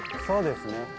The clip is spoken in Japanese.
そうですね。